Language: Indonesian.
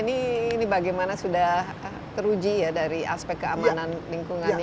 ini bagaimana sudah teruji ya dari aspek keamanan lingkungannya